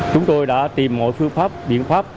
chúng tôi đã tìm mọi phương pháp biện pháp